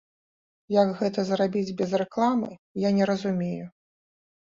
Як гэта зрабіць без рэкламы, я не разумею.